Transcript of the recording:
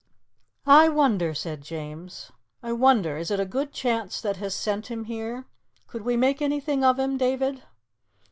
"I wonder " said James "I wonder is it a good chance that has sent him here? Could we make anything of him, David?"